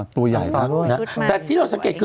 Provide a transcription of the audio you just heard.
ตัวใหญ่มากแต่ที่เราสังเกตคือ